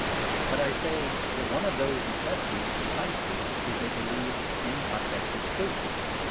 But I say that one of those necessities precisely is a belief in objective truth.